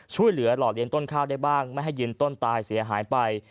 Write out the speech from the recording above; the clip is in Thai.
ช่วยเหลือหล่อเลี้ยต้นข้าวได้บ้างไม่ให้ยืนต้นตายเสียหายไป